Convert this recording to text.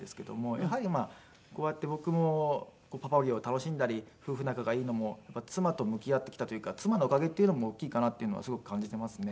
やはりこうやって僕もパパ業を楽しんだり夫婦仲がいいのも妻と向き合ってきたというか妻のおかげっていうのも大きいかなっていうのはすごく感じていますね。